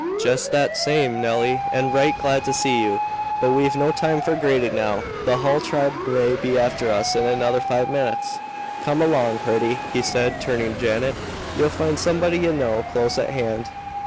"Jest that same, Nelly, and right glad to see you. But we've no time for greeting now; the hull tribe may be after us in another five minutes. Come along, pretty," he said, turning to Janet. "You'll find somebody ye know close at hand."